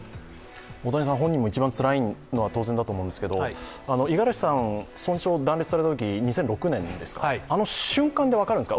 大谷さん本人も一番つらいのは当然だと思うんですが五十嵐さん、損傷、断裂されたとき２００６年、その瞬間で分かるんですか？